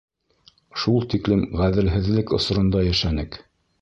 — Шул тиклем ғәҙелһеҙлек осоронда йәшәнек!